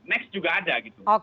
next juga ada gitu